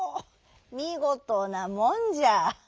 みごとなもんじゃ」。